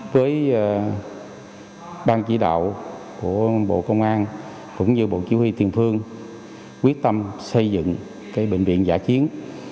với bang chỉ đạo của bộ công an cũng như bộ chỉ huy tiền phương quyết tâm xây dựng bệnh viện giả chiến